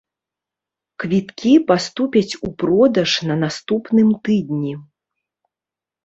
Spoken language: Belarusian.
Квіткі паступяць у продаж на наступным тыдні.